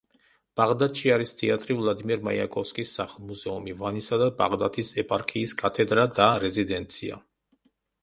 ბაღდათში არის თეატრი, ვლადიმერ მაიაკოვსკის სახლ-მუზეუმი, ვანისა და ბაღდათის ეპარქიის კათედრა და რეზიდენცია.